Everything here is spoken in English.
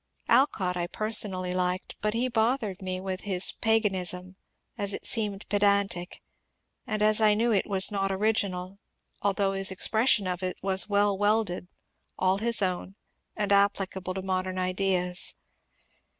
Alcott I personally liked, but he bothered me with his pa ganism, as it seemed pedantic, and as I knew it was not original, although his expression of it was well welded, all his own, and applicable to modem ideas.